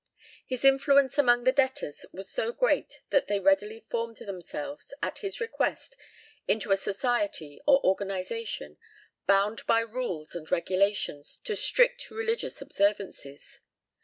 His influence among the debtors was so great that they readily formed themselves, at his request, into a society or organization, bound by rules and regulations to strict religious observances.